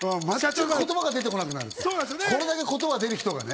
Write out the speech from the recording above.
これだけ言葉が出る人がね。